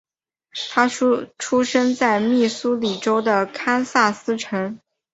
他出生在密苏里州的堪萨斯城。